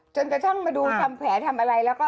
จนกระทั่งมาดูคำแผลทำอะไร